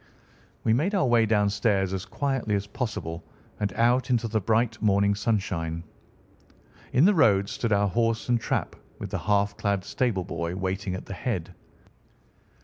We made our way downstairs as quietly as possible, and out into the bright morning sunshine. In the road stood our horse and trap, with the half clad stable boy waiting at the head.